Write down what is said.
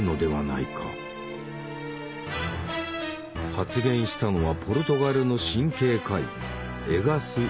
発言したのはポルトガルの神経科医エガス・モニス。